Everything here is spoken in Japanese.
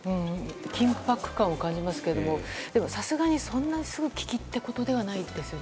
緊迫感を感じますけどさすがにそんなにすぐの危機っていうことではないですよね。